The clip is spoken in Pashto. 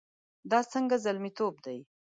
دا څنګه زلميتوب دی؟